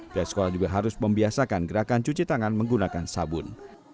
pihak sekolah juga harus membiasakan gerakan cuci tangan menggunakan sabun